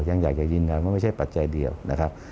ยังอยากจะยืนยันว่าไม่ใช่ปัจจัยเดียวนะครับ